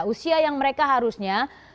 usia yang mereka harusnya